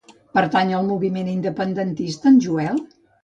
Pertany al moviment independentista el Joel?